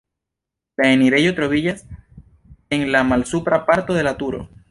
La enirejo troviĝas en la malsupra parto de la turo.